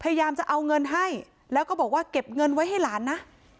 พยายามจะเอาเงินให้แล้วก็บอกว่าเก็บเงินไว้ให้หลานนะ